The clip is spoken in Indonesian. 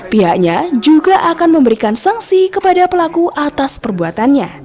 pihaknya juga akan memberikan sanksi kepada pelaku atas perbuatannya